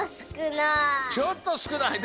ちょっとすくない。